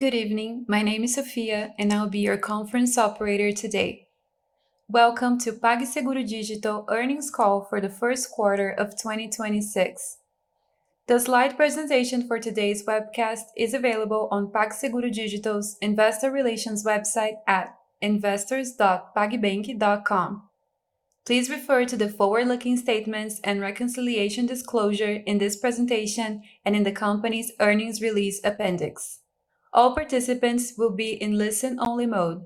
Good evening. My name is Sophia, and I'll be your conference operator today. Welcome to PagSeguro Digital earnings call for the first quarter of 2026. The slide presentation for today's webcast is available on PagSeguro Digital's investor relations website at investors.pagbank.com. Please refer to the forward-looking statements and reconciliation disclosure in this presentation and in the company's earnings release appendix. All participants will be in listen only mode.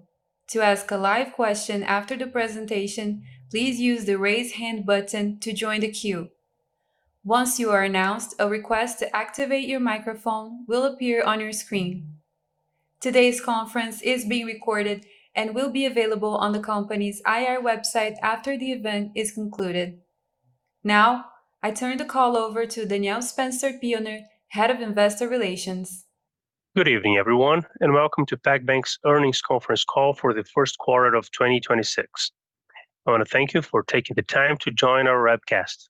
To ask a live question after the presentation, please use the Raise Hand button to join the queue. Once you are announced, a request to activate your microphone will appear on your screen. Today's conference is being recorded and will be available on the company's IR website after the event is concluded. Now, I turn the call over to Daniel Spencer Pioner, Head of Investor Relations. Good evening, everyone, and welcome to PagBank's earnings conference call for the first quarter of 2026. I wanna thank you for taking the time to join our webcast.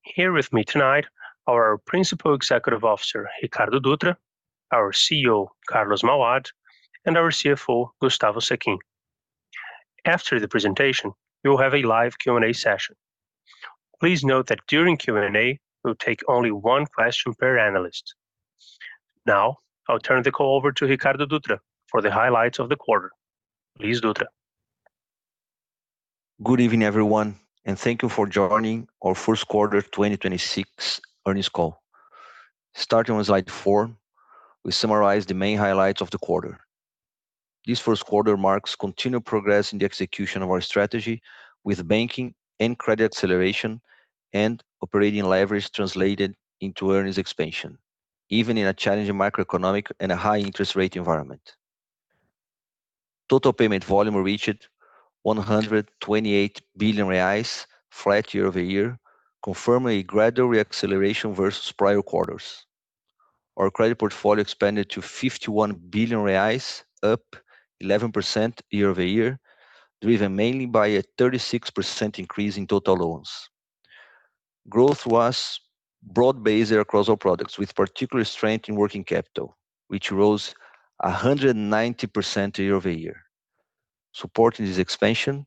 Here with me tonight, our Principal Executive Officer, Ricardo Dutra, our CEO, Carlos Mauad, and our CFO, Gustavo Sechin. After the presentation, we will have a live Q&A session. Please note that during Q&A, we'll take only one question per analyst. Now, I'll turn the call over to Ricardo Dutra for the highlights of the quarter. Please, Dutra. Good evening, everyone, thank you for joining our first quarter 2026 earnings call. Starting with Slide 4, we summarize the main highlights of the quarter. This first quarter marks continued progress in the execution of our strategy with banking and credit acceleration and operating leverage translated into earnings expansion, even in a challenging macroeconomic and a high-interest rate environment. Total Payment Volume reached 128 billion reais, flat year-over-year, confirming a gradual reacceleration versus prior quarters. Our credit portfolio expanded to 51 billion reais, up 11% year-over-year, driven mainly by a 36% increase in total loans. Growth was broad-based across all products, with particular strength in working capital, which rose 190% year-over-year. Supporting this expansion,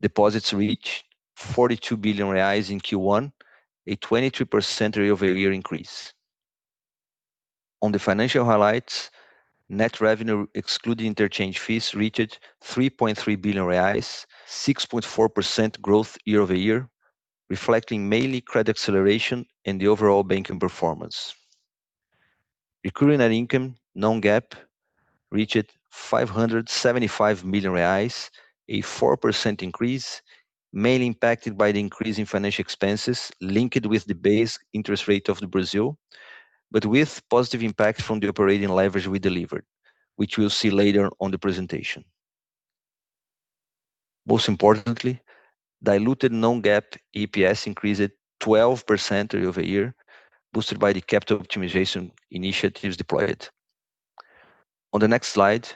deposits reached 42 billion reais in Q1, a 23% year-over-year increase. On the financial highlights, net revenue excluding interchange fees reached 3.3 billion reais, 6.4% growth year-over-year, reflecting mainly credit acceleration and the overall banking performance. Recurring net income non-GAAP reached 575 million reais, a 4% increase, mainly impacted by the increase in financial expenses linked with the base interest rate of Brazil, but with positive impact from the operating leverage we delivered, which we'll see later on the presentation. Most importantly, diluted non-GAAP EPS increased 12% year-over-year, boosted by the capital optimization initiatives deployed. On the next slide,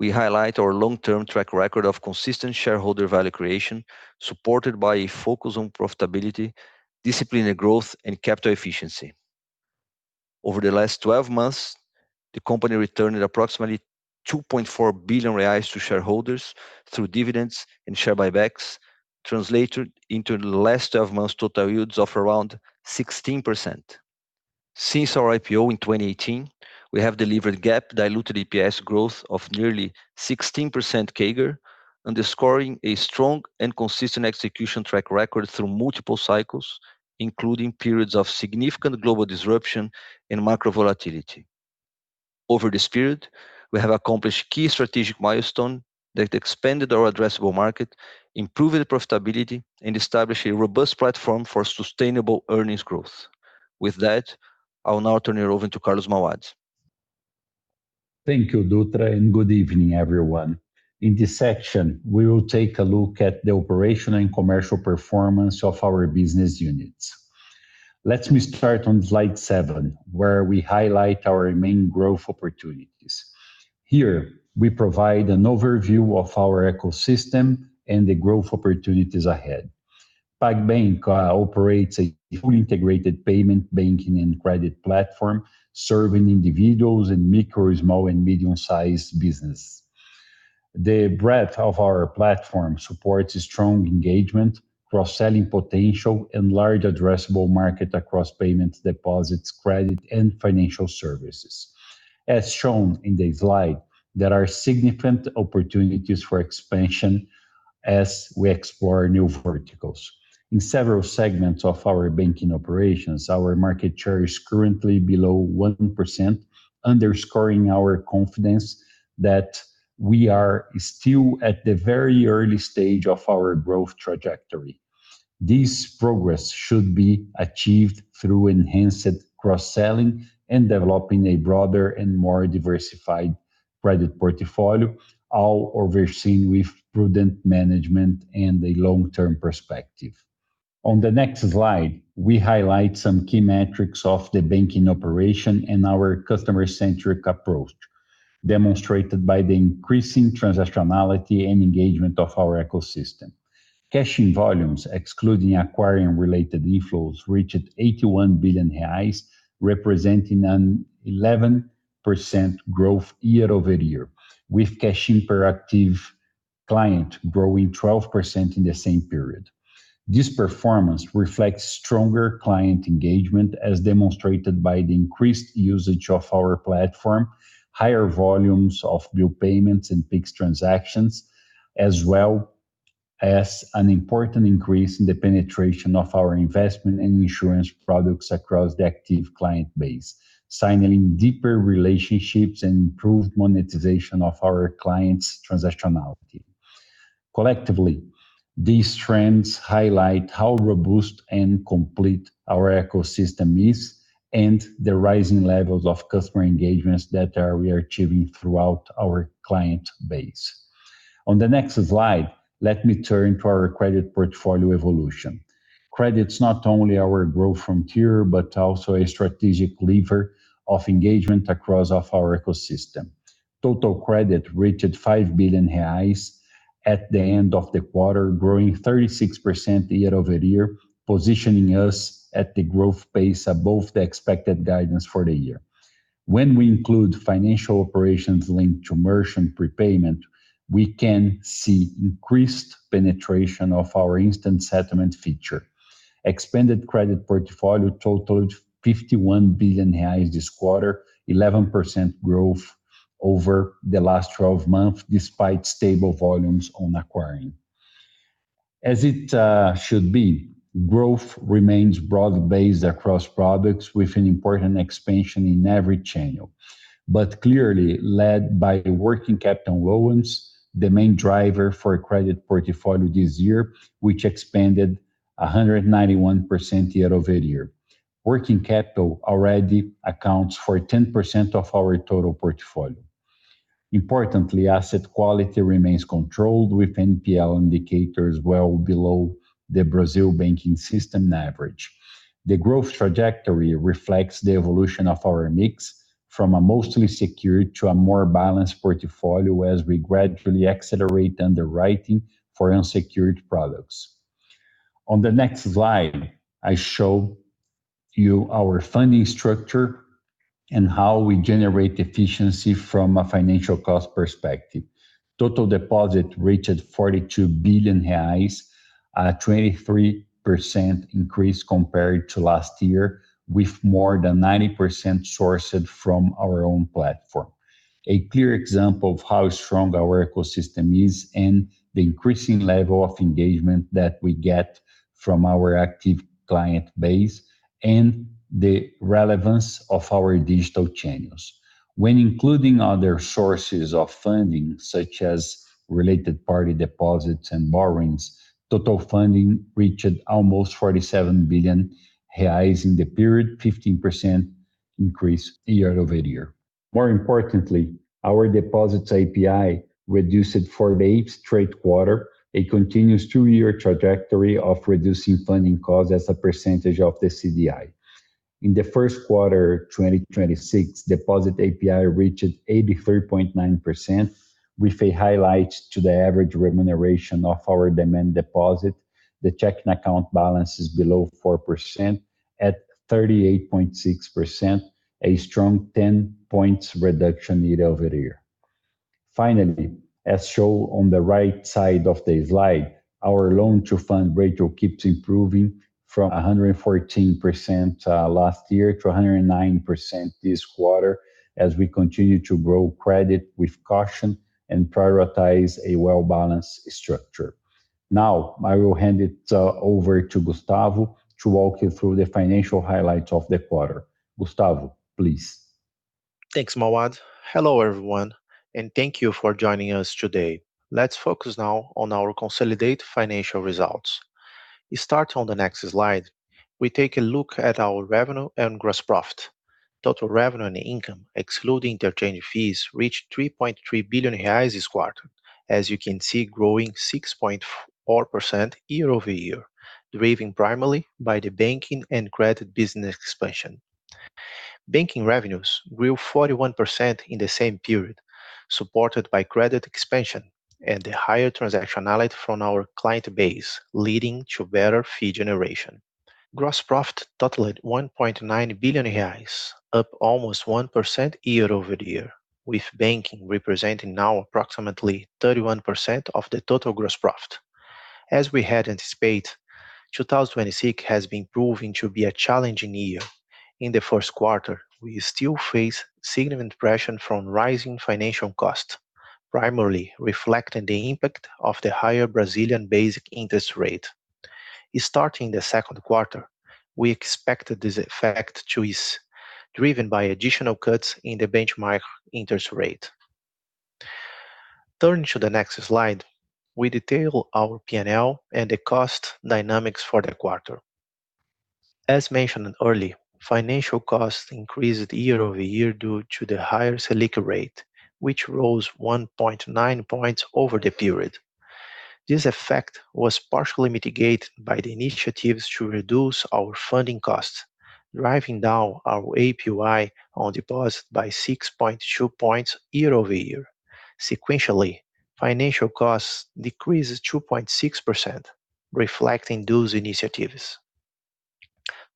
we highlight our long-term track record of consistent shareholder value creation, supported by a focus on profitability, disciplined growth and capital efficiency. Over the last 12 months, the company returned approximately 2.4 billion reais to shareholders through dividends and share buybacks, translated into the last 12 months total yields of around 16%. Since our IPO in 2018, we have delivered GAAP diluted EPS growth of nearly 16% CAGR, underscoring a strong and consistent execution track record through multiple cycles, including periods of significant global disruption and macro volatility. Over this period, we have accomplished key strategic milestone that expanded our addressable market, improving profitability, and established a robust platform for sustainable earnings growth. With that, I'll now turn it over to Carlos Mauad. Thank you, Dutra, and good evening, everyone. In this section, we will take a look at the operational and commercial performance of our business units. Let me start on Slide 7, where we highlight our main growth opportunities. Here, we provide an overview of our ecosystem and the growth opportunities ahead. PagBank operates a fully integrated payment banking and credit platform serving individuals in micro, small and medium-sized business. The breadth of our platform supports strong engagement, cross-selling potential and large addressable market across payments, deposits, credit and financial services. As shown in the slide, there are significant opportunities for expansion as we explore new verticals. In several segments of our banking operations, our market share is currently below 1%, underscoring our confidence that we are still at the very early stage of our growth trajectory. This progress should be achieved through enhanced cross-selling and developing a broader and more diversified credit portfolio, all overseen with prudent management and a long-term perspective. On the next slide, we highlight some key metrics of the banking operation and our customer-centric approach, demonstrated by the increasing transactionality and engagement of our ecosystem. Cash-in volumes, excluding acquiring related inflows, reached 81 billion reais, representing an 11% growth year-over-year, with cash interactive client growing 12% in the same period. This performance reflects stronger client engagement as demonstrated by the increased usage of our platform, higher volumes of bill payments and Pix transactions, as well as an important increase in the penetration of our investment and insurance products across the active client base, signing deeper relationships and improved monetization of our clients' transactionality. Collectively, these trends highlight how robust and complete our ecosystem is and the rising levels of customer engagements we are achieving throughout our client base. On the next slide, let me turn to our credit portfolio evolution. Credit's not only our growth frontier, but also a strategic lever of engagement across of our ecosystem. Total credit reached 5 billion reais at the end of the quarter, growing 36% year-over-year, positioning us at the growth pace above the expected guidance for the year. When we include financial operations linked to merchant prepayment, we can see increased penetration of our instant settlement feature. Expanded credit portfolio totaled 51 billion reais this quarter, 11% growth over the last 12 months despite stable volumes on acquiring. As it should be, growth remains broad-based across products with an important expansion in every channel. Clearly, led by working capital loans, the main driver for credit portfolio this year, which expanded 191% year-over-year. Working capital already accounts for 10% of our total portfolio. Importantly, asset quality remains controlled with NPL indicators well below the Brazil banking system average. The growth trajectory reflects the evolution of our mix from a mostly secured to a more balanced portfolio as we gradually accelerate underwriting for unsecured products. On the next slide, I show you our funding structure and how we generate efficiency from a financial cost perspective. Total deposit reached 42 billion reais, a 23% increase compared to last year, with more than 90% sourced from our own platform. A clear example of how strong our ecosystem is and the increasing level of engagement that we get from our active client base and the relevance of our digital channels. When including other sources of funding, such as related party deposits and borrowings, total funding reached almost 47 billion reais in the period, 15% increase year-over-year. More importantly, our deposits APY reduced for the 8th straight quarter, a continuous two-year trajectory of reducing funding costs as a percentage of the CDI. In the first quarter, 2026 deposit APY reached 83.9% with a highlight to the average remuneration of our demand deposit. The checking account balance is below 4% at 38.6%, a strong 10 points reduction year-over-year. Finally, as shown on the right side of the slide, our loan-to-fund ratio keeps improving from 114% last year to 109% this quarter as we continue to grow credit with caution and prioritize a well-balanced structure. Now, I will hand it over to Gustavo to walk you through the financial highlights of the quarter. Gustavo, please. Thanks, Mauad. Hello, everyone, thank you for joining us today. Let's focus now on our consolidated financial results. It start on the next slide, we take a look at our revenue and gross profit. Total revenue and income, excluding interchange fees, reached 3.3 billion reais this quarter. As you can see, growing 6.4% year-over-year, driven primarily by the banking and credit business expansion. Banking revenues grew 41% in the same period, supported by credit expansion and the higher transactionality from our client base, leading to better fee generation. Gross profit totaled 1.9 billion reais, up almost 1% year-over-year, with banking representing now approximately 31% of the total gross profit. As we had anticipated, 2026 has been proving to be a challenging year. In the first quarter, we still face significant pressure from rising financial costs, primarily reflecting the impact of the higher Brazilian basic interest rate. Starting the second quarter, we expect this effect to ease, driven by additional cuts in the benchmark interest rate. Turning to the next slide, we detail our P&L and the cost dynamics for the quarter. As mentioned earlier, financial costs increased year-over-year due to the higher Selic rate, which rose 1.9 points over the period. This effect was partially mitigated by the initiatives to reduce our funding costs, driving down our APY on deposit by 6.2 points year-over-year. Sequentially, financial costs decreased 2.6%, reflecting those initiatives.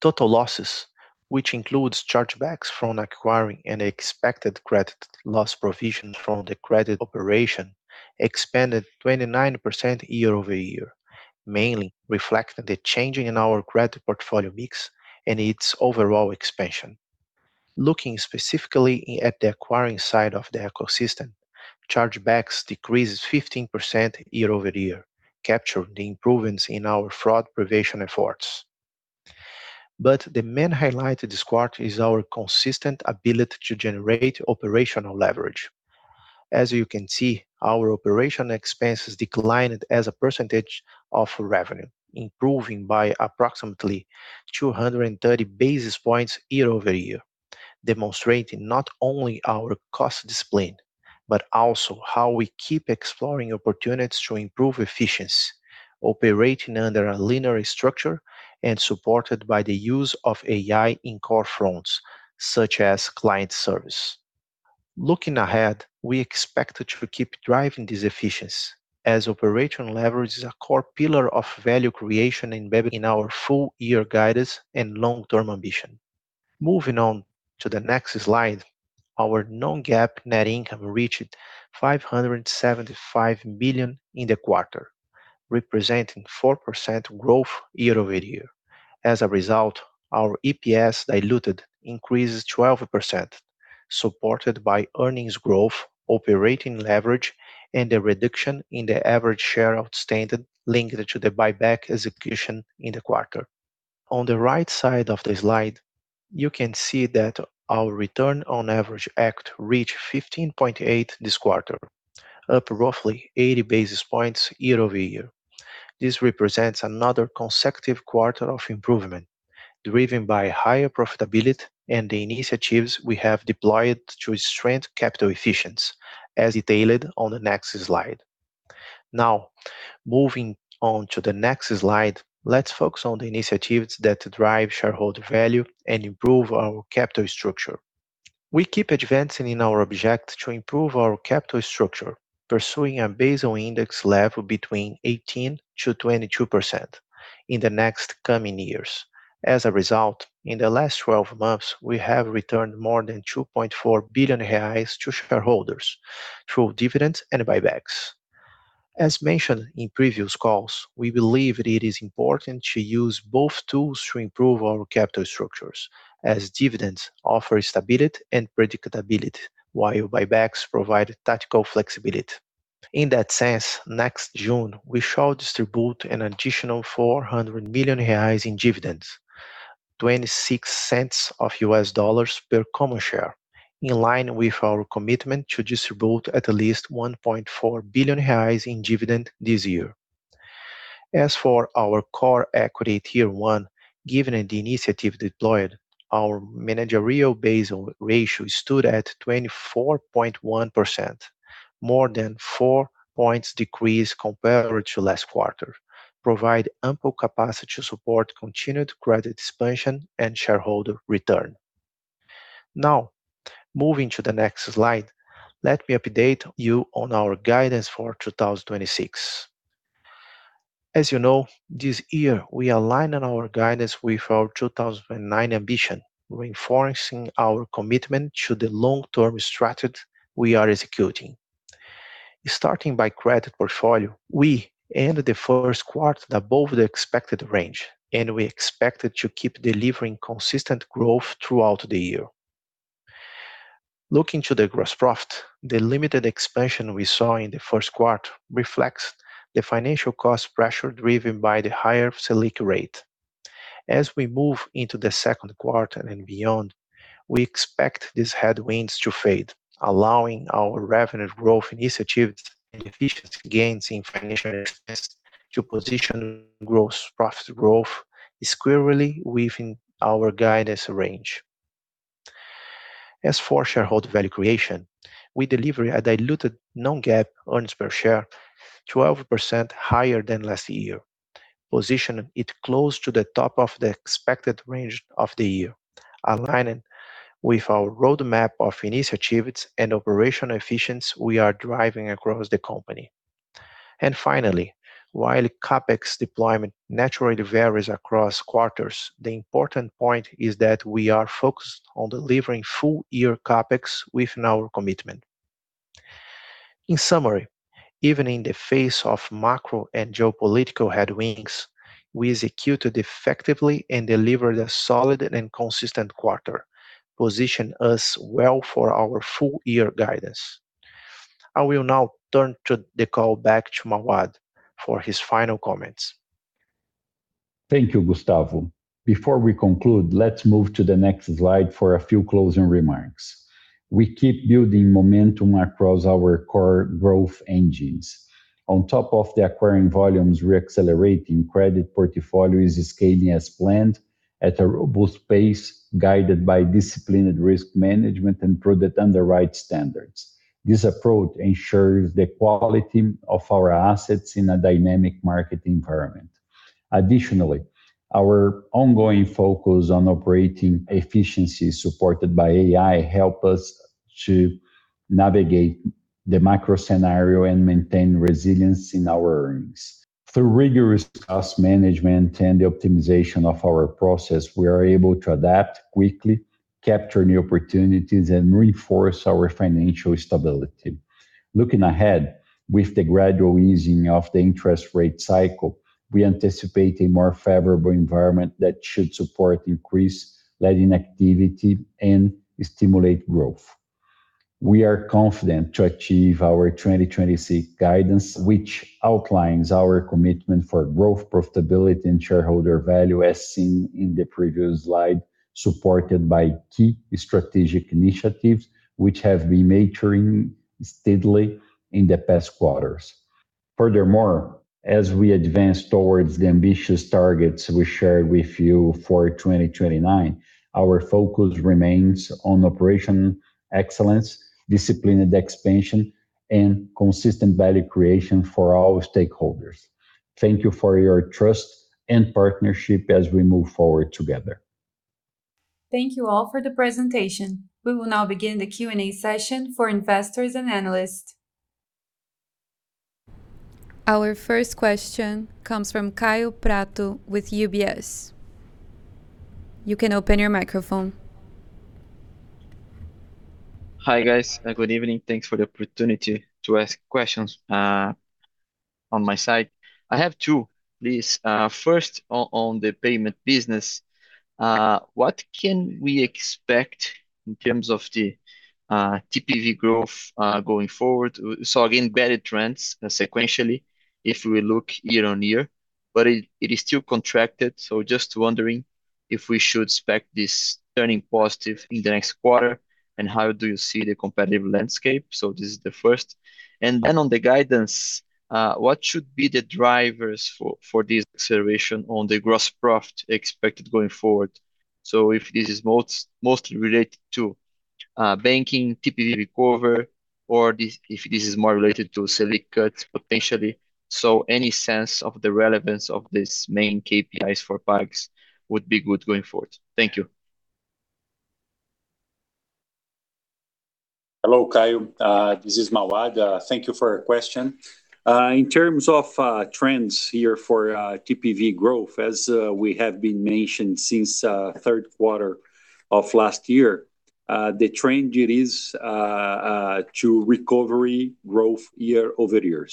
Total losses, which includes chargebacks from acquiring and expected credit loss provision from the credit operation, expanded 29% year-over-year, mainly reflecting the changing in our credit portfolio mix and its overall expansion. Looking specifically at the acquiring side of the ecosystem, chargebacks decreased 15% year-over-year, capturing the improvements in our fraud prevention efforts. The main highlight this quarter is our consistent ability to generate operational leverage. As you can see, our operational expenses declined as a percentage of revenue, improving by approximately 230 basis points year-over-year, demonstrating not only our cost discipline, but also how we keep exploring opportunities to improve efficiency, operating under a linear structure and supported by the use of AI in core fronts, such as client service. Looking ahead, we expect to keep driving this efficiency as operational leverage is a core pillar of value creation embedded in our full year guidance and long-term ambition. Moving on to the next slide, our non-GAAP net income reached 575 million in the quarter, representing 4% growth year-over-year. Result, our EPS diluted increased 12%, supported by earnings growth, operating leverage, and the reduction in the average share outstanding linked to the buyback execution in the quarter. On the right side of the slide, you can see that our return on average equity reached 15.8% this quarter, up roughly 80 basis points year-over-year. This represents another consecutive quarter of improvement driven by higher profitability and the initiatives we have deployed to strengthen capital efficiency, as detailed on the next slide. Moving on to the next slide, let's focus on the initiatives that drive shareholder value and improve our capital structure. We keep advancing in our objective to improve our capital structure, pursuing a Basel index level between 18%-22% in the next coming years. As a result, in the last 12 months, we have returned more than 2.4 billion reais to shareholders through dividends and buybacks. As mentioned in previous calls, we believe it is important to use both tools to improve our capital structures, as dividends offer stability and predictability, while buybacks provide tactical flexibility. In that sense, next June, we shall distribute an additional 400 million reais in dividends, $0.26 per common share, in line with our commitment to distribute at least 1.4 billion reais in dividend this year. As for our core equity tier one, given the initiative deployed, our managerial Basel ratio stood at 24.1%, more than four points decrease compared to last quarter, provide ample capacity to support continued credit expansion and shareholder return. Moving to the next slide, let me update you on our guidance for 2026. As you know, this year we aligned our guidance with our 2029 ambition, reinforcing our commitment to the long-term strategy we are executing. Starting by credit portfolio, we ended the first quarter above the expected range, and we expect to keep delivering consistent growth throughout the year. Looking to the gross profit, the limited expansion we saw in the first quarter reflects the financial cost pressure driven by the higher Selic rate. As we move into the second quarter and beyond, we expect these headwinds to fade, allowing our revenue growth initiatives and efficiency gains in financial expense to position gross profit growth squarely within our guidance range. As for shareholder value creation, we delivered a diluted non-GAAP earnings per share 12% higher than last year, positioning it close to the top of the expected range of the year, aligning with our roadmap of initiatives and operational efficiency we are driving across the company. Finally, while CapEx deployment naturally varies across quarters, the important point is that we are focused on delivering full-year CapEx within our commitment. In summary, even in the face of macro and geopolitical headwinds, we executed effectively and delivered a solid and consistent quarter, positioning us well for our full-year guidance. I will now turn to the call back to Mauad for his final comments. Thank you, Gustavo. Before we conclude, let's move to the next slide for a few closing remarks. We keep building momentum across our core growth engines. On top of the acquiring volumes we're accelerating, credit portfolio is scaling as planned at a robust pace, guided by disciplined risk management and prudent underwrite standards. This approach ensures the quality of our assets in a dynamic market environment. Our ongoing focus on operating efficiency supported by AI helps us to navigate the macro scenario and maintain resilience in our earnings. Through rigorous cost management and the optimization of our process, we are able to adapt quickly, capture new opportunities, and reinforce our financial stability. Looking ahead, with the gradual easing of the interest rate cycle, we anticipate a more favorable environment that should support increased lending activity and stimulate growth. We are confident to achieve our 2026 guidance, which outlines our commitment for growth, profitability, and shareholder value as seen in the previous slide, supported by key strategic initiatives which have been maturing steadily in the past quarters. As we advance towards the ambitious targets we shared with you for 2029, our focus remains on operation excellence, disciplined expansion, and consistent value creation for all stakeholders. Thank you for your trust and partnership as we move forward together. Thank you all for the presentation. We will now begin the Q&A session for investors and analysts. Our first question comes from Kaio Da Prato with UBS. You can open your microphone. Hi, guys. Good evening. Thanks for the opportunity to ask questions on my side. I have two, please. First on the payment business, what can we expect in terms of the TPV growth going forward? We saw, again, better trends sequentially if we look year on year, but it is still contracted, so just wondering if we should expect this turning positive in the next quarter, and how do you see the competitive landscape? This is the first. Then on the guidance, what should be the drivers for this acceleration on the gross profit expected going forward? If this is mostly related to banking TPV recover or if this is more related to Selic cuts potentially. Any sense of the relevance of these main KPIs for banks would be good going forward. Thank you. Hello, Kaio. This is Mauad. Thank you for your question. In terms of trends here for TPV growth, as we have been mentioning since third quarter of last year, the trend it is to recovery growth year-over-year.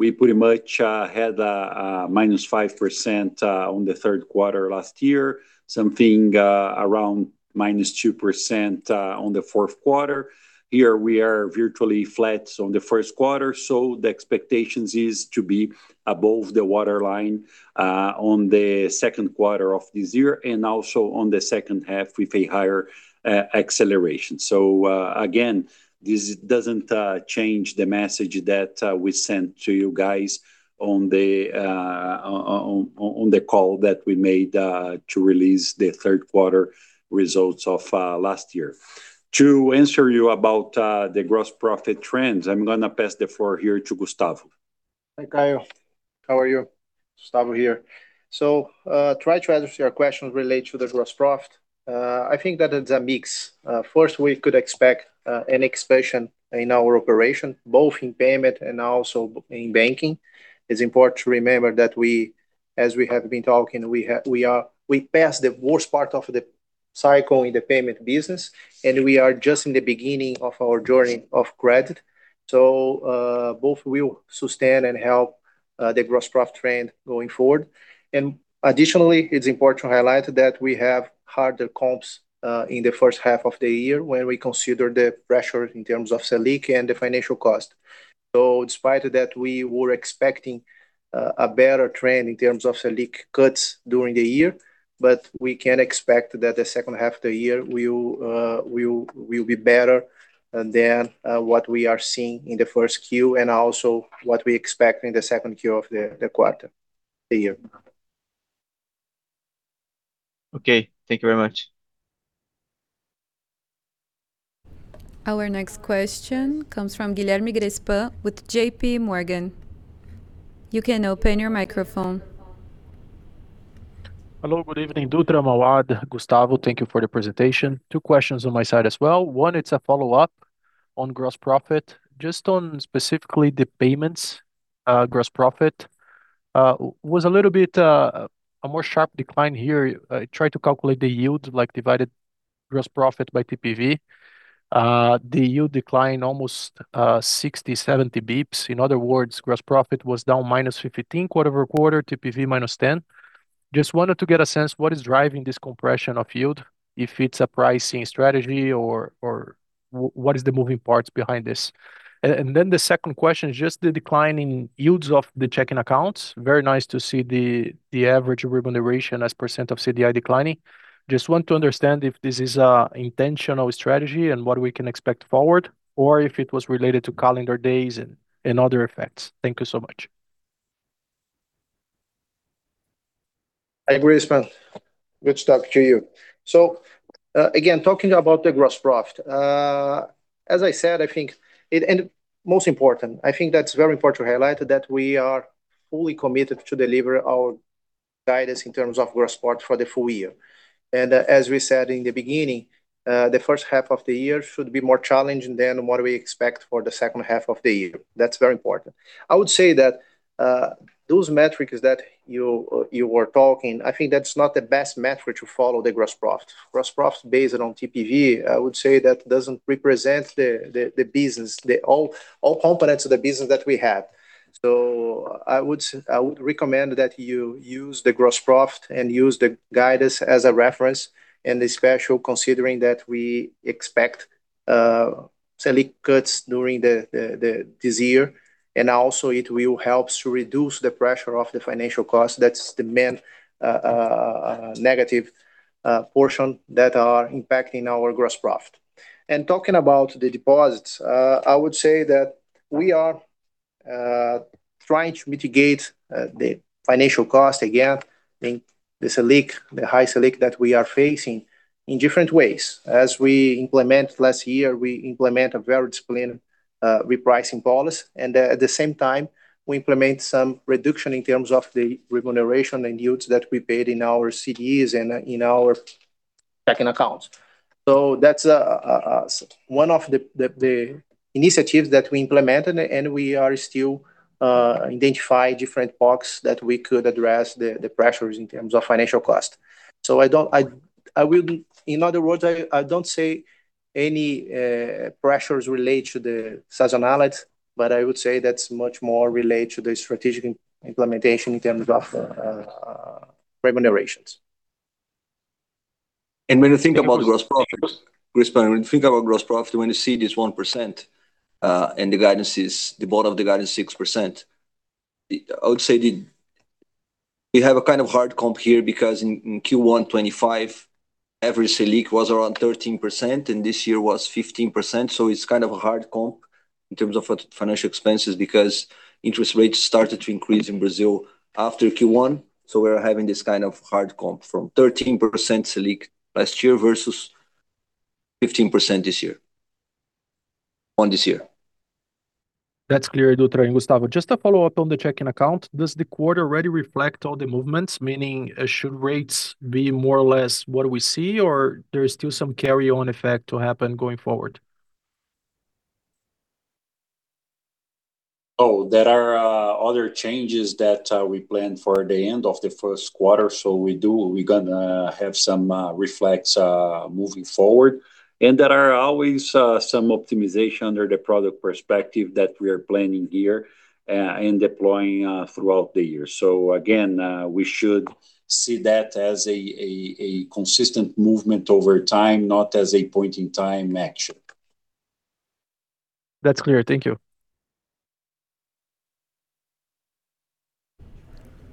We pretty much had -5% on the third quarter last year. Something around -2% on the fourth quarter. Here we are virtually flat on the first quarter, the expectations is to be above the waterline on the second quarter of this year, and also on the second half with a higher acceleration. Again, this doesn't change the message that we sent to you guys on the call that we made to release the third quarter results of last year. To answer you about the gross profit trends, I'm gonna pass the floor here to Gustavo. Hi, Kaio. How are you? Gustavo here. Try to answer your question related to the gross profit. I think that it's a mix. First we could expect an expansion in our operation, both in payment and also in banking. It's important to remember that we, as we have been talking, we passed the worst part of the cycle in the payment business and we are just in the beginning of our journey of credit. Both will sustain and help the gross profit trend going forward. Additionally, it's important to highlight that we have harder comps in the first half of the year when we consider the pressure in terms of Selic and the financial cost. In spite of that, we were expecting a better trend in terms of Selic cuts during the year. We can expect that the second half of the year will be better than what we are seeing in the first Q and also what we expect in the second Q of the year. Okay. Thank you very much. Our next question comes from Guilherme Grespan with J.P. Morgan. You can open your microphone. Hello. Good evening, Dutra, Mauad, Gustavo. Thank you for the presentation. two questions on my side as well. 1, it's a follow-up on gross profit. Just on specifically the payments, gross profit, was a little bit a more sharp decline here. I tried to calculate the yield, like divided gross profit by TPV. The yield declined almost 60, 70 basis points. In other words, gross profit was down -15% quarter-over-quarter, TPV -10%. Just wanted to get a sense what is driving this compression of yield, if it's a pricing strategy or what is the moving parts behind this? The second question is just the decline in yields of the checking accounts. Very nice to see the average remuneration as a % of CDI declining. Just want to understand if this is an intentional strategy and what we can expect forward, or if it was related to calendar days and other effects? Thank you so much. Hi, Grespan. Good to talk to you. So, again, talking about the gross profit, as I said, I think it. Most important, I think that's very important to highlight that we are fully committed to deliver our guidance in terms of gross profit for the full year. As we said in the beginning, the first half of the year should be more challenging than what we expect for the second half of the year. That's very important. I would say that those metrics that you were talking, I think that's not the best metric to follow the gross profit. Gross profit is based on TPV, I would say that doesn't represent the business, the all components of the business that we have. I would recommend that you use the gross profit and use the guidance as a reference, and especially considering that we expect Selic cuts during this year. Also it will help to reduce the pressure of the financial cost that's demand negative portion that are impacting our gross profit. Talking about the deposits, I would say that we are trying to mitigate the financial cost again in the Selic, the high Selic that we are facing in different ways. As we implement last year, we implement a very disciplined repricing policy and at the same time we implement some reduction in terms of the remuneration and yields that we paid in our CDs and in our checking accounts. That's one of the initiatives that we implemented, and we are still identify different blocks that we could address the pressures in terms of financial cost. In other words, I don't say any pressures relate to the seasonality, but I would say that's much more related to the strategic implementation in terms of remunerations. When you think about gross profit, Grespan, when you think about gross profit, when you see this 1%, the bottom of the guidance 6%, I would say we have a kind of hard comp here because in Q1 2025, every Selic was around 13%, and this year was 15%, so it's kind of a hard comp in terms of financial expenses because interest rates started to increase in Brazil after Q1, so we're having this kind of hard comp from 13% Selic last year versus 15% this year. That's clear, Dutra and Gustavo. Just a follow-up on the checking account. Does the quarter already reflect all the movements, meaning, should rates be more or less what we see, or there's still some carry-on effect to happen going forward? There are other changes that we plan for the end of the first quarter. We're gonna have some reflects moving forward, and there are always some optimization under the product perspective that we are planning here and deploying throughout the year. Again, we should see that as a consistent movement over time, not as a point in time action. That's clear. Thank you.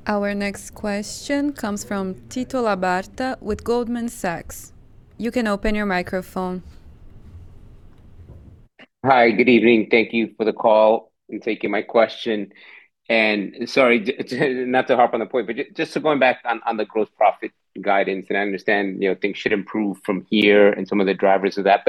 Our next question comes from Tito Labarta with Goldman Sachs. You can open your microphone. Hi, good evening. Thank you for the call and taking my question. Sorry, not to harp on the point, but just so going back on the gross profit guidance, and I understand, you know, things should improve from here and some of the drivers of that.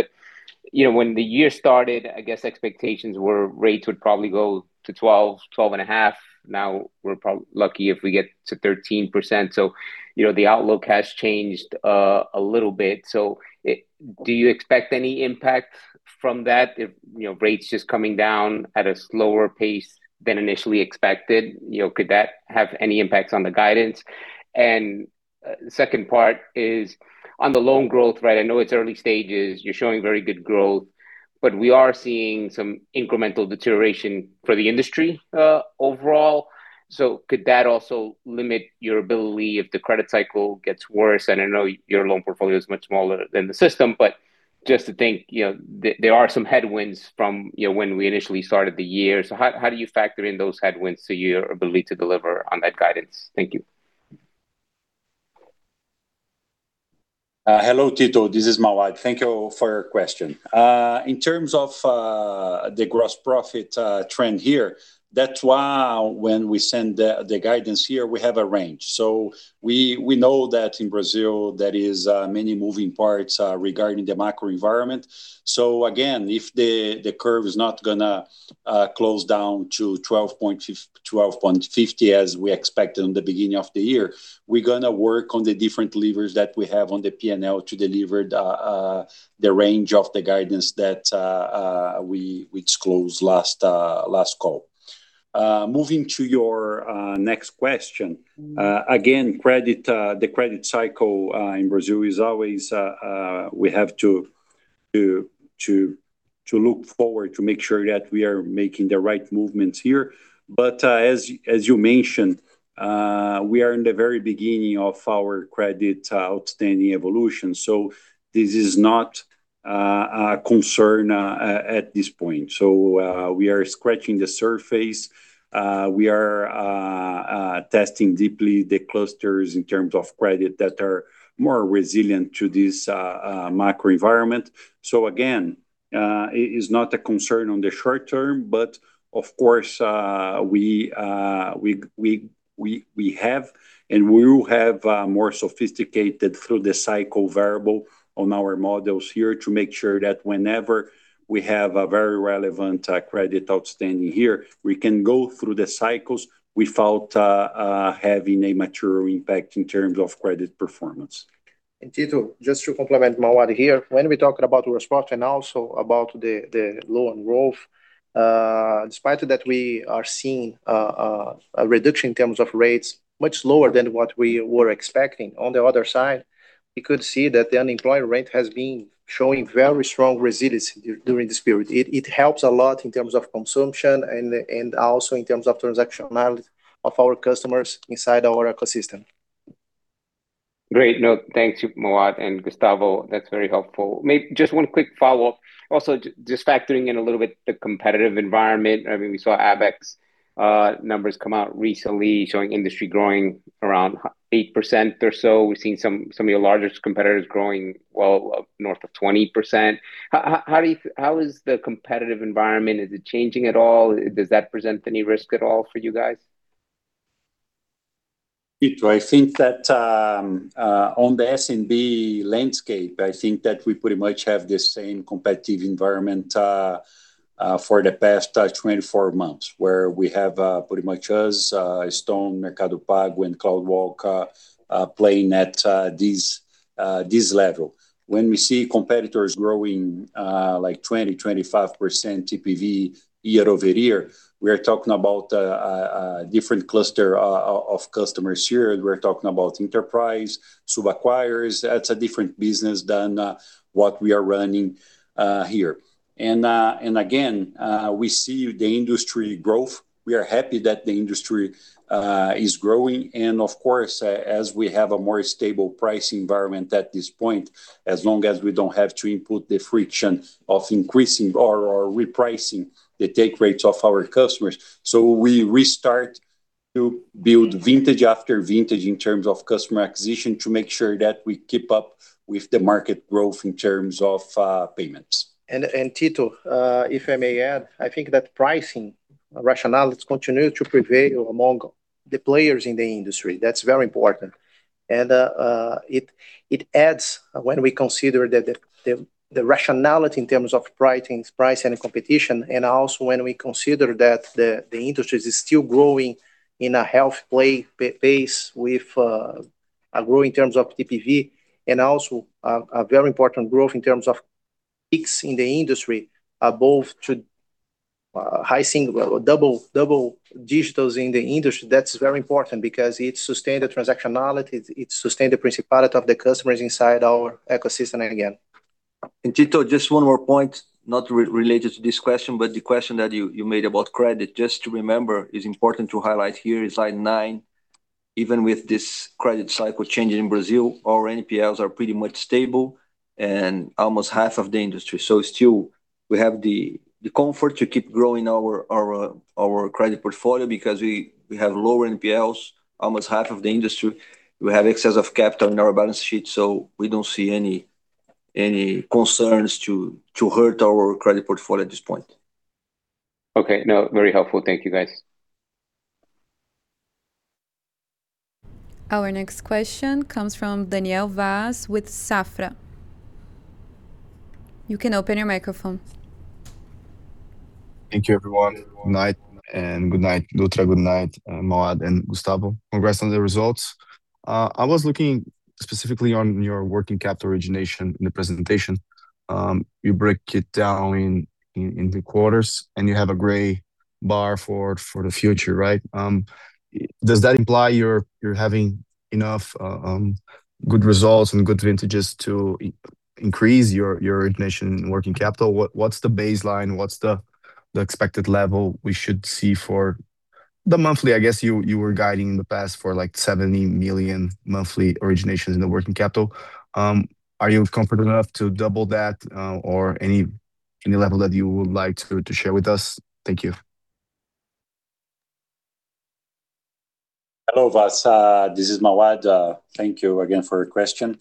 You know, when the year started, I guess expectations were rates would probably go to 12.5. Now we're lucky if we get to 13%. You know, the outlook has changed a little bit. Do you expect any impact from that if, you know, rates just coming down at a slower pace than initially expected? You know, could that have any impacts on the guidance? Second part is on the loan growth, right? I know it's early stages. You're showing very good growth, we are seeing some incremental deterioration for the industry overall. Could that also limit your ability if the credit cycle gets worse? I know your loan portfolio is much smaller than the system, just to think, you know, there are some headwinds from, you know, when we initially started the year. How do you factor in those headwinds to your ability to deliver on that guidance? Thank you. Hello, Tito. This is Mauad. Thank you for your question. In terms of the gross profit trend here, that's why when we send the guidance here, we have a range. We know that in Brazil there is many moving parts regarding the macro environment. Again, if the curve is not going to close down to 12.50 as we expected in the beginning of the year, we are going to work on the different levers that we have on the P&L to deliver the range of the guidance that we disclosed last call. Moving to your next question. Again, credit, the credit cycle in Brazil is always, we have to look forward to make sure that we are making the right movements here. As you mentioned, we are in the very beginning of our credit outstanding evolution, so this is not a concern at this point. We are scratching the surface. We are testing deeply the clusters in terms of credit that are more resilient to this macro environment. Again, it is not a concern on the short term, but of course, we have and we will have more sophisticated through the cycle variable on our models here to make sure that whenever we have a very relevant credit outstanding here, we can go through the cycles without having a material impact in terms of credit performance. Tito, just to complement Mauad here. When we talk about response and also about the loan growth, despite that we are seeing a reduction in terms of rates much lower than what we were expecting, on the other side we could see that the unemployment rate has been showing very strong resilience during this period. It helps a lot in terms of consumption and also in terms of transactionality of our customers inside our ecosystem. Great. No, thanks Mauad and Gustavo, that's very helpful. Just one quick follow-up. Just factoring in a little bit the competitive environment. I mean, we saw ABECS numbers come out recently showing industry growing around 8% or so. We've seen some of your largest competitors growing well north of 20%. How do you how is the competitive environment? Is it changing at all? Does that present any risk at all for you guys? Tito, I think that on the SMB landscape, I think that we pretty much have the same competitive environment for the past 24 months, where we have pretty much us, Stone, Mercado Pago and CloudWalk playing at this level. When we see competitors growing, like 20%-25% TPV year-over-year, we are talking about a different cluster of customers here. We're talking about enterprise, serial acquirers. That's a different business than what we are running here. Again, we see the industry growth. We are happy that the industry is growing. Of course, as we have a more stable price environment at this point, as long as we don't have to input the friction of increasing or repricing the take rates of our customers. We restart to build vintage after vintage in terms of customer acquisition to make sure that we keep up with the market growth in terms of payments. Tito, if I may add, I think that pricing rationales continue to prevail among the players in the industry. That's very important. It adds when we consider the rationality in terms of pricing and competition, and also when we consider that the industry is still growing in a healthy pace with a growth in terms of TPV, and also a very important growth in terms of Pix in the industry, both to high double digits in the industry. That's very important because it sustain the transactionality, it sustain the principality of the customers inside our ecosystem again. Tito, just one more point, not related to this question, but the question that you made about credit. Just to remember, it's important to highlight here Slide 9, even with this credit cycle changing in Brazil, our NPLs are pretty much stable and almost half of the industry. Still, we have the comfort to keep growing our credit portfolio because we have lower NPLs, almost half of the industry. We have excess of capital in our balance sheet; we don't see any concerns to hurt our credit portfolio at this point. Okay. No, very helpful. Thank you, guys. Our next question comes from Daniel Vaz with Safra. You can open your microphone. Thank you everyone. Good night, Ricardo Dutra, good night, Mauad and Gustavo. Congrats on the results. I was looking specifically on your working capital origination in the presentation. You break it down in the quarters and you have a gray bar for the future, right? Does that imply you're having enough good results and good vintages to increase your origination working capital? What's the baseline? What's the expected level we should see for the monthly? I guess you were guiding in the past for like 70 million monthly originations in the working capital. Are you comfortable enough to double that or any level that you would like to share with us? Thank you. Hello, Vaz. This is Mauad. Thank you again for your question.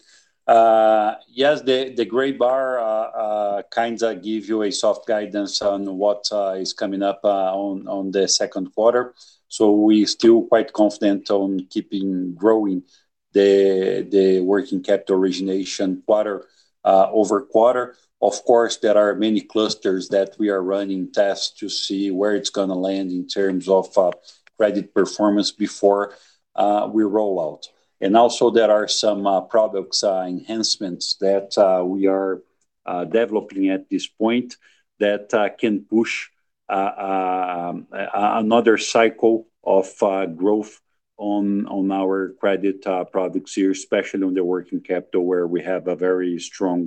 Yes, the gray bar kind of give you a soft guidance on what is coming up on the second quarter. We still quite confident on keeping growing the working capital origination quarter-over-quarter. Of course, there are many clusters that we are running tests to see where it's going to land in terms of credit performance before we roll out. Also there are some products enhancements that we are developing at this point that can push another cycle of growth on our credit products here, especially on the working capital where we have a very strong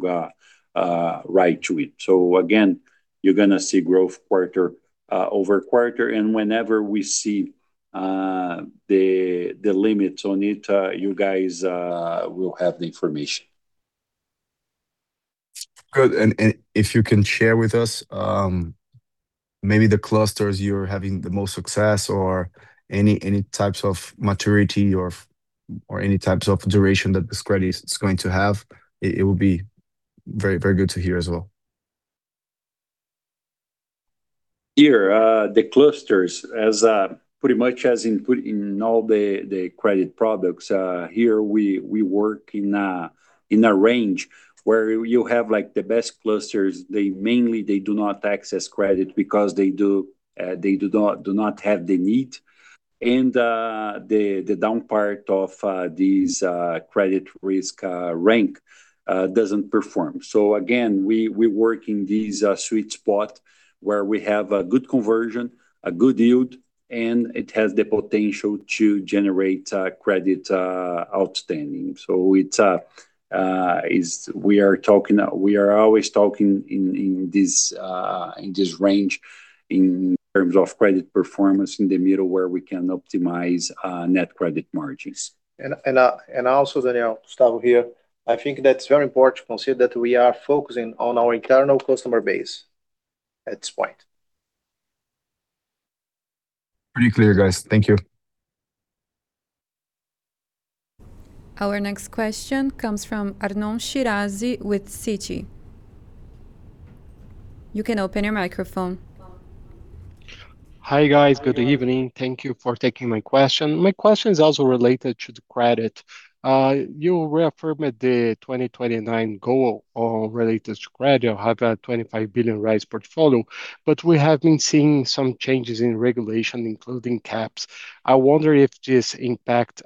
right to it. Again, you're gonna see growth quarter-over-quarter, and whenever we see the limits on it, you guys will have the information. Good. If you can share with us, Maybe the clusters you're having the most success or any types of maturity or any types of duration that this credit is going to have. It would be very good to hear as well. Here, the clusters as pretty much as input in all the credit products. Here we work in a range where you have, like, the best clusters. They mainly do not access credit because they do not have the need. The down part of these credit risk rank doesn't perform. Again, we work in this sweet spot where we have a good conversion, a good yield, and it has the potential to generate credit outstanding. It's, We are talking, we are always talking in this range in terms of credit performance in the middle where we can optimize net credit margins. Daniel, Gustavo here. I think that's very important to consider that we are focusing on our internal customer base at this point. Pretty clear, guys. Thank you. Our next question comes from Arnon Shirazi with Citi. You can open your microphone. Hi, guys. Hi, Arnon. Good evening. Thank you for taking my question. My question is also related to the credit. You reaffirmed the 2029 goal related to credit. You have a 25 billion portfolio, we have been seeing some changes in regulation, including caps. I wonder if this impact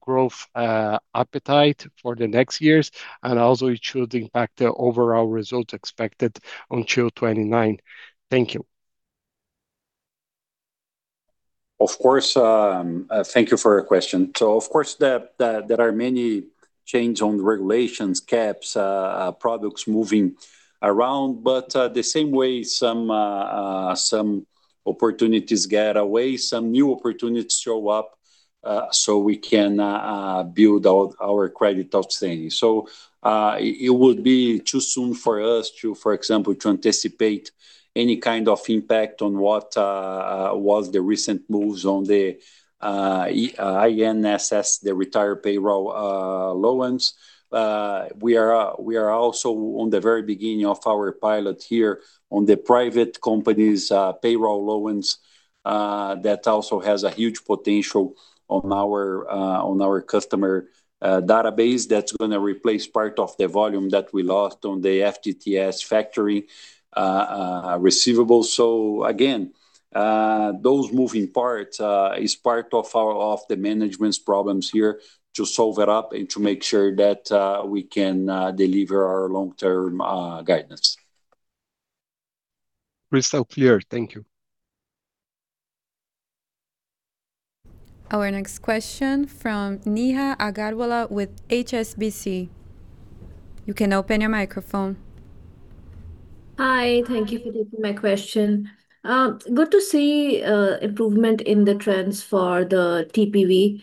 growth appetite for the next years, it should impact the overall results expected until 2029. Thank you. Of course. Thank you for your question. Of course, there are many change on the regulations, caps, products moving around. The same way some opportunities get away, some new opportunities show up, so we can build our credit outstanding. It would be too soon for us to, for example, to anticipate any kind of impact on what was the recent moves on the INSS, the retired payroll loans. We are also on the very beginning of our pilot here on the private company's payroll loans, that also has a huge potential on our customer database that's gonna replace part of the volume that we lost on the FGTS factory receivables. Again, those moving parts is part of the management's problems here to solve it up and to make sure that we can deliver our long-term guidance. Crystal clear. Thank you. Our next question from Neha Agarwala with HSBC. You can open your microphone. Hi. Thank you for taking my question. Good to see improvement in the trends for the TPV.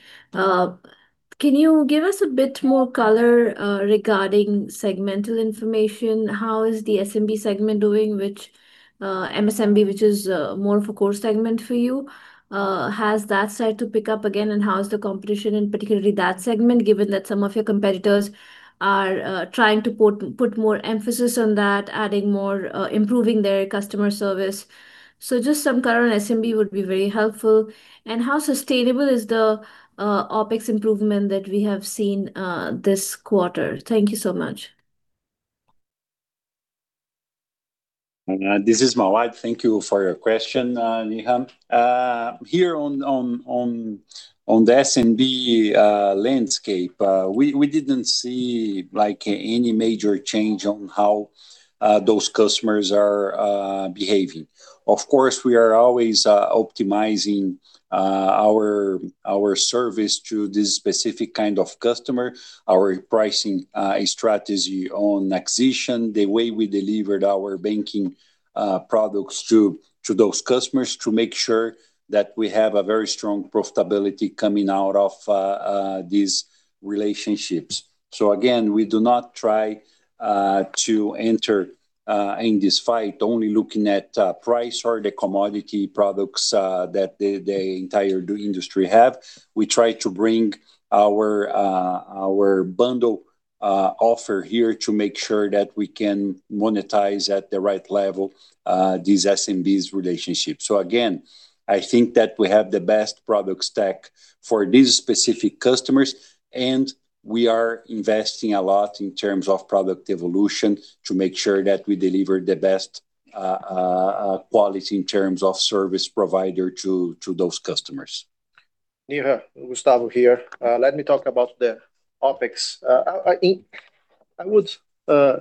Can you give us a bit more color regarding segmental information? How is the SMB segment doing, which MSMB, which is more of a core segment for you? Has that started to pick up again, and how is the competition in particularly that segment, given that some of your competitors are trying to put more emphasis on that, adding more improving their customer service? Just some current SMB would be very helpful. How sustainable is the OpEx improvement that we have seen this quarter? Thank you so much. This is Mauad. Thank you for your question, Neha. Here on the SMB landscape, we didn't see, like, any major change on how those customers are behaving. Of course, we are always optimizing our service to this specific kind of customer. Our pricing strategy on acquisition, the way we delivered our banking products to those customers to make sure that we have a very strong profitability coming out of these relationships. Again, we do not try to enter in this fight only looking at price or the commodity products that the entire industry have. We try to bring our bundle offer here to make sure that we can monetize at the right level these SMBs relationships. Again, I think that we have the best product stack for these specific customers, and we are investing a lot in terms of product evolution to make sure that we deliver the best quality in terms of service provider to those customers. Neha, Gustavo here. Let me talk about the OpEx. I think I would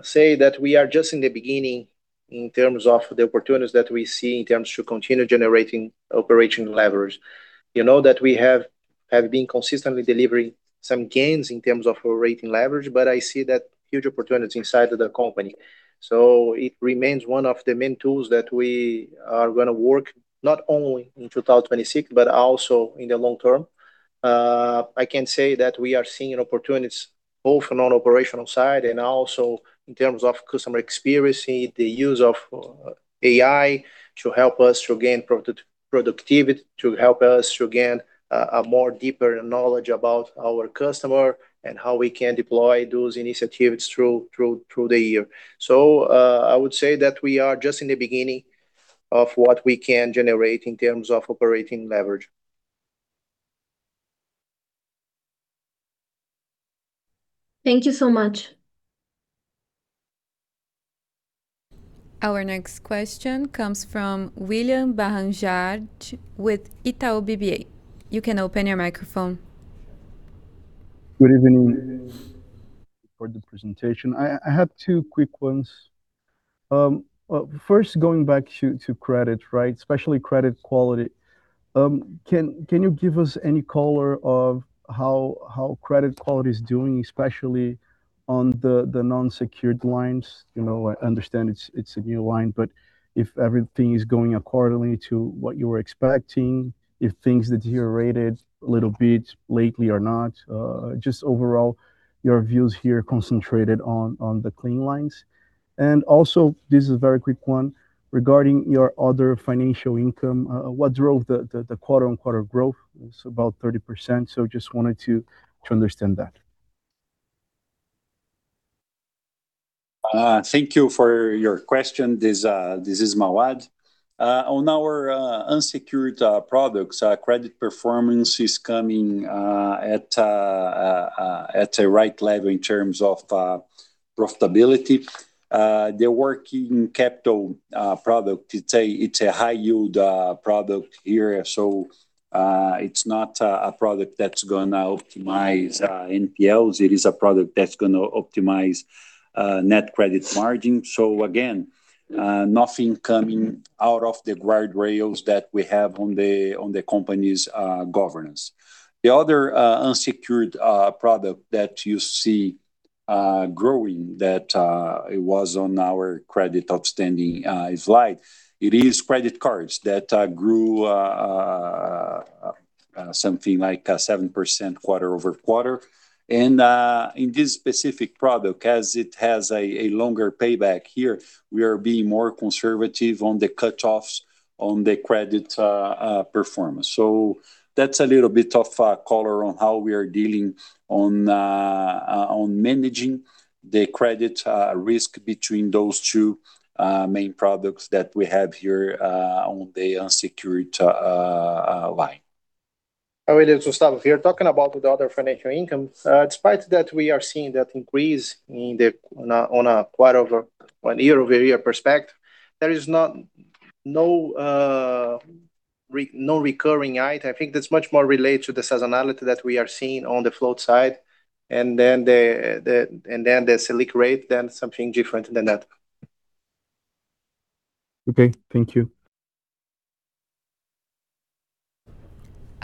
say that we are just in the beginning in terms of the opportunities that we see in terms to continue generating operational leverage. You know that we have been consistently delivering some gains in terms of operating leverage, I see that huge opportunities inside of the company. It remains one of the main tools that we are gonna work not only in 2026 but also in the long term. I can say that we are seeing opportunities both on operational side and also in terms of customer experience, the use of AI to help us to gain productivity, to help us to gain a more deeper knowledge about our customer and how we can deploy those initiatives through the year. I would say that we are just in the beginning of what we can generate in terms of operating leverage. Thank you so much. Our next question comes from William Barranjard with Itaú BBA. You can open your microphone. Good evening. For the presentation, I have two quick ones. First, going back to credit, right, especially credit quality. Can you give us any color of how credit quality is doing, especially on the non-secured lines? You know, I understand it's a new line, but if everything is going accordingly to what you were expecting, if things deteriorated a little bit lately or not. Just overall your views here concentrated on the clean lines. Also, this is a very quick one, regarding your other financial income, what drove the quarter-on-quarter growth? It's about 30%, just wanted to understand that. Thank you for your question. This, this is Mauad. On our unsecured products, our credit performance is coming at a right level in terms of profitability. The working capital product, it's a high yield product here, so it's not a product that's gonna optimize NPLs. It is a product that's gonna optimize net credit margin. Again, nothing coming out of the guardrails that we have on the company's governance. The other unsecured product that you see growing that it was on our credit outstanding slide, it is credit cards that grew something like 7% quarter-over-quarter. In this specific product, as it has a longer payback here, we are being more conservative on the cutoffs on the credit performance. That's a little bit of color on how we are dealing on managing the credit risk between those two main products that we have here on the unsecured line. Hi William, it's Gustavo here. Talking about the other financial income, despite that we are seeing that increase in the, on a quarter over year-over-year perspective, there is not, no recurring item. I think that's much more related to the seasonality that we are seeing on the float side and then the Selic rate than something different than that. Okay. Thank you.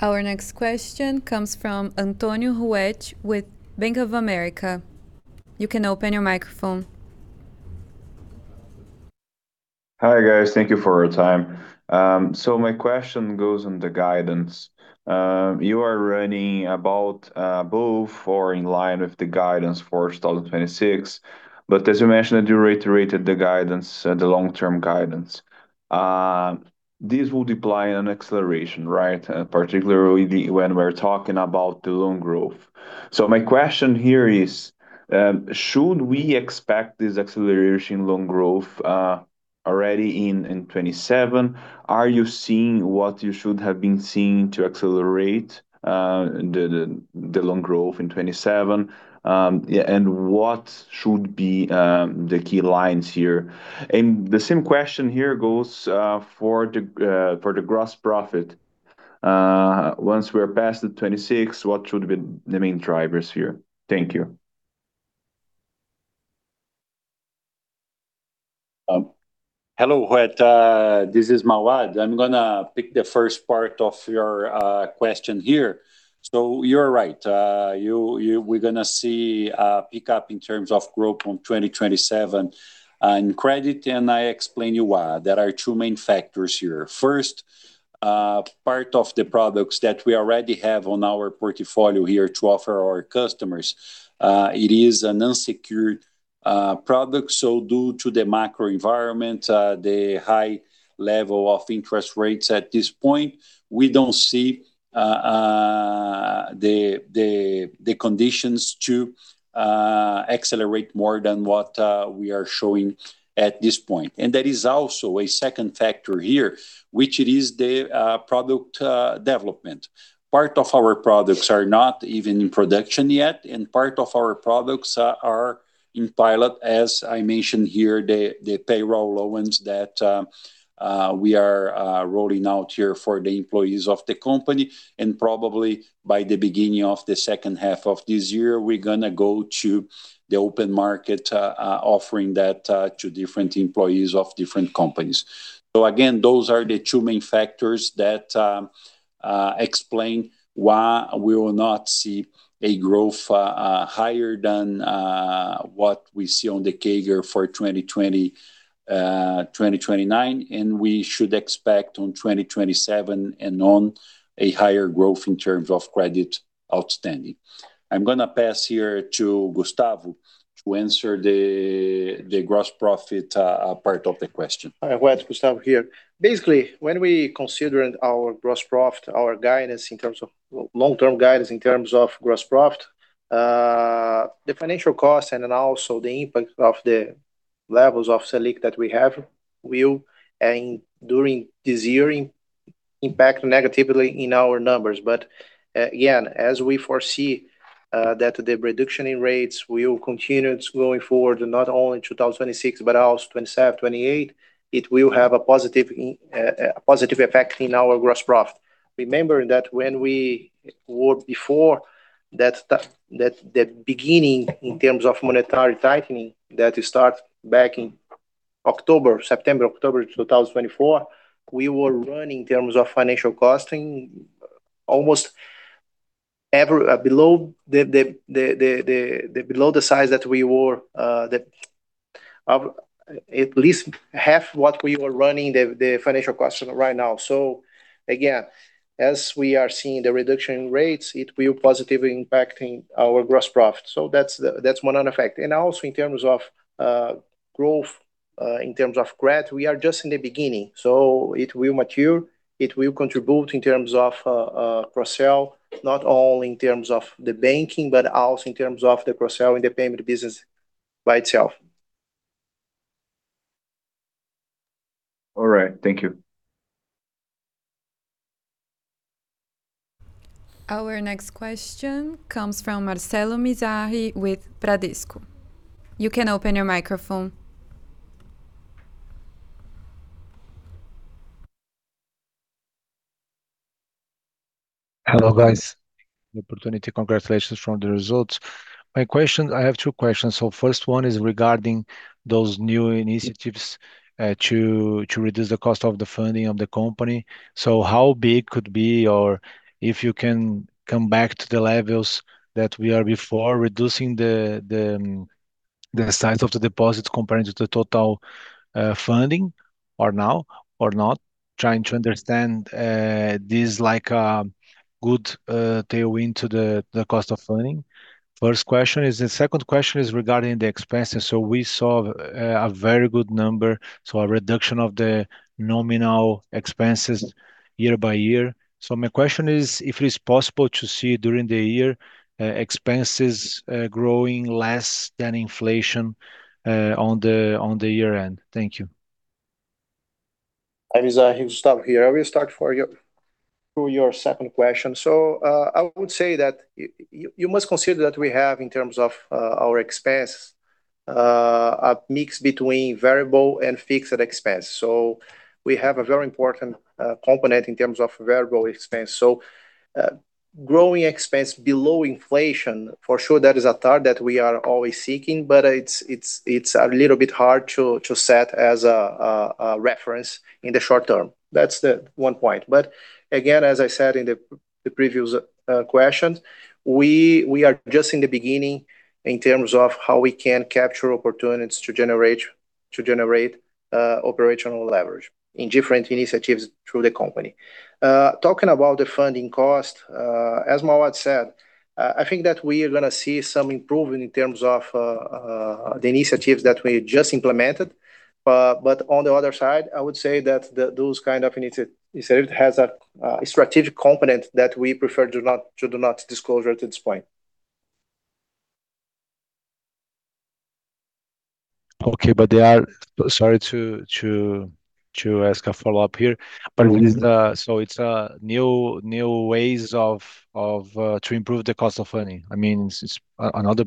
Our next question comes from Antonio Ruette with Bank of America. You can open your microphone. Hi, guys. Thank you for your time. My question goes on the guidance. You are running about both or in line with the guidance for 2026, but as you mentioned, you reiterated the guidance, the long-term guidance. This will deploy an acceleration, right? Particularly when we're talking about the loan growth. My question here is, should we expect this acceleration loan growth already in 2027? Are you seeing what you should have been seeing to accelerate the loan growth in 2027? What should be the key lines here? The same question here goes for the gross profit. Once we are past the 2026, what should be the main drivers here? Thank you. Hello, Ruette. This is Mauad. I'm going to pick the first part of your question here. You're right. We're going to see a pickup in terms of growth on 2027 in credit, and I explain you why. There are two main factors here. First, part of the products that we already have on our portfolio here to offer our customers, it is an unsecured product, so due to the macro environment, the high level of interest rates at this point, we don't see the conditions to accelerate more than what we are showing at this point. There is also a second factor here, which it is the product development. Part of our products are not even in production yet, and part of our products are in pilot. As I mentioned here, the payroll loans that we are rolling out here for the employees of the company, and probably by the beginning of the second half of this year, we're going to go to the open market offering that to different employees of different companies. Again, those are the two main factors that explain why we will not see a growth higher than what we see on the CAGR for 2020, 2029, and we should expect on 2027 and on a higher growth in terms of credit outstanding. I'm going to pass here to Gustavo to answer the gross profit part of the question. Hi, Ruette. Gustavo here. Basically, when we consider our gross profit, our guidance in terms of Long-term guidance in terms of gross profit, the financial cost and also the impact of the levels of Selic that we have will, and during this year impact negatively in our numbers. Again, as we foresee that the reduction in rates will continue going forward, not only in 2026 but also 2027, 2028, it will have a positive effect in our gross profit. Remember that when we were before that the beginning in terms of monetary tightening that start back in October, September, October 2024, we were running in terms of financial costing below the size that we were at least half what we were running the financial costing right now. Again, as we are seeing the reduction in rates, it will positively impacting our gross profit. That's the, that's one effect. Also, in terms of growth, in terms of credit, we are just in the beginning. It will mature, it will contribute in terms of cross-sell, not only in terms of the banking, but also in terms of the cross-sell in the payment business by itself. All right. Thank you. Our next question comes from Marcelo Mizrahi with Bradesco. You can open your microphone. Hello, guys. The opportunity, congratulations from the results. My question, I have two questions. First one is regarding those new initiatives to reduce the cost of the funding of the company. How big could be, or if you can come back to the levels that we are before reducing the size of the deposits compared to the total funding or now or not? Trying to understand this like good tailwind to the cost of funding. First question is. The second question is regarding the expenses. We saw a very good number, so a reduction of the nominal expenses year by year. My question is, if it is possible to see during the year expenses growing less than inflation on the year end. Thank you. Hi, Mizrahi. We'll stop here. I will start for you to your second question. I would say that you must consider that we have in terms of our expense, a mix between variable and fixed expense. We have a very important component in terms of variable expense. Growing expense below inflation, for sure that is a target that we are always seeking, but it's a little bit hard to set as a reference in the short term. That's the one point. Again, as I said in the previous question, we are just in the beginning in terms of how we can capture opportunities to generate operational leverage in different initiatives through the company. Talking about the funding cost, as Mauad said, I think that we are gonna see some improvement in terms of the initiatives that we just implemented. On the other side, I would say that those kind of initiative has a strategic component that we prefer to do not disclosure at this point. Okay. They are Sorry to ask a follow-up here. No. With the, it's a new ways of, to improve the cost of funding. I mean, it's, another,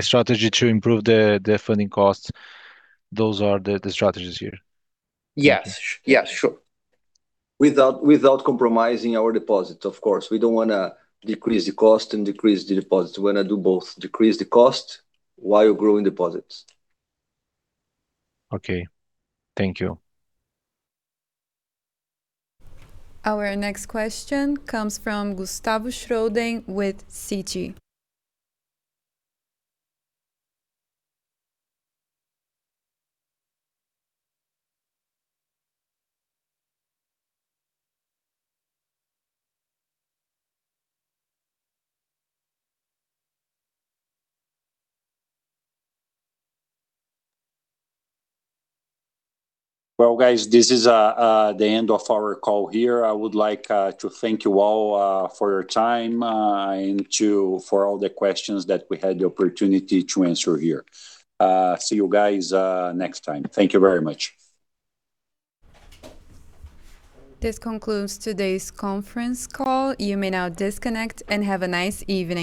strategy to improve the funding costs. Those are the strategies here. Yes. Yeah, sure. Without compromising our deposits, of course. We don't wanna decrease the cost and decrease the deposits. We wanna do both, decrease the cost while growing deposits. Okay. Thank you. Our next question comes from Gustavo Schroden with Citi. Well, guys, this is the end of our call here. I would like to thank you all for your time and to for all the questions that we had the opportunity to answer here. See you guys' next time. Thank you very much. This concludes today's conference call. You may now disconnect and have a nice evening.